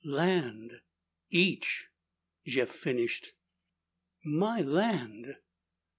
"Land!" "Each," Jeff finished. "My land!"